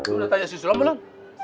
lu udah tanya si sulam belum